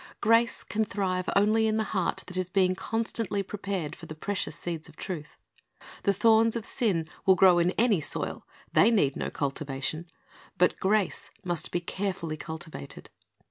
Grace can thrive only in the heart that is being con stantly prepared for the precious seeds of truth. The thorns of sin will grow in any soil; they need no cultivation; but grace must be carefully cultivated.